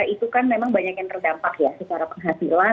itu kan memang banyak yang terdampak ya secara penghasilan